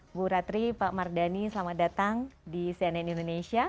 ibu ratri pak mardhani selamat datang di cnn indonesia